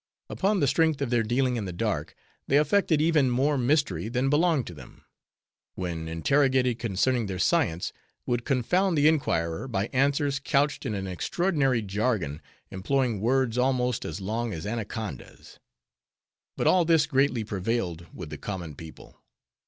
Upon the strength of their dealing in the dark, they affected even more mystery than belonged to them; when interrogated concerning their science, would confound the inquirer by answers couched in an extraordinary jargon, employing words almost as long as anacondas. But all this greatly prevailed with the common people.